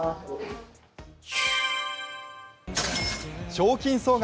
賞金総額